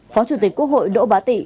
phó chủ tịch quốc hội đỗ bá tị